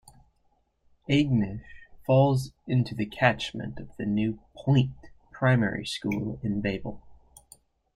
Aignish falls into the catchment of the new Point primary school in Bayble.